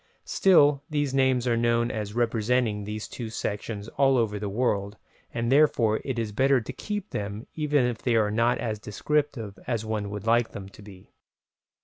Still these names are known as representing these two sections all over the world, and therefore it is better to keep to them even if they are not as descriptive as one would like them to be.